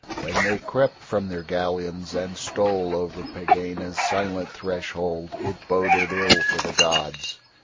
When they crept from their galleons and stole over Pegāna's silent threshold it boded ill for the gods.